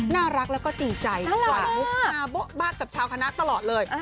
น่ารักแล้วก็ตีใจกว่าบ๊กบ้ากกับชาวคณะตลอดเลย